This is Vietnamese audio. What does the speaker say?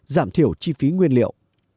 giảm thiểu chi phí nguyên liệu